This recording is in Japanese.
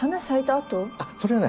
あっそれはね